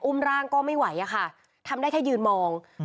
ร่างก็ไม่ไหวอะค่ะทำได้แค่ยืนมอง